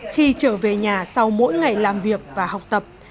khi trở về nhà sau mỗi ngày làm việc và học tập